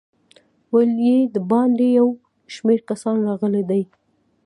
ویل یې د باندې یو شمېر کسان راغلي دي.